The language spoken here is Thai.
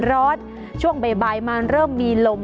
รอดช่วงบ่ายมาเริ่มมีลม